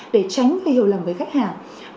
để tránh hiểu lầm với khách hàng